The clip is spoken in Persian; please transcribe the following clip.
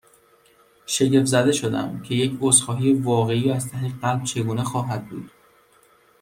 شگفت زده شدم، که یک عذرخواهی واقعی و از ته قلب چگونه خواهد بود؟